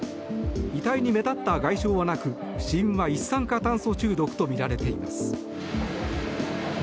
遺体に目立った外傷はなく死因は一酸化炭素中毒とみられています。